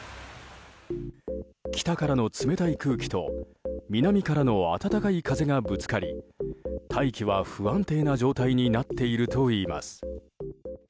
北からの冷たい空気と南からの暖かい風がぶつかり大気は不安定な状態になっているといいます。